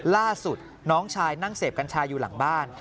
ล่าสุดน้องชายนั่งเสพกัญชาอยู่หลังบ้าน